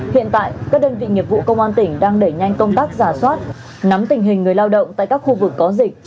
hiện tại các đơn vị nghiệp vụ công an tỉnh đang đẩy nhanh công tác giả soát nắm tình hình người lao động tại các khu vực có dịch